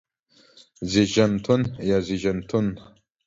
زيږنتون يا زيژنتون